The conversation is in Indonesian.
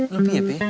lebih ya be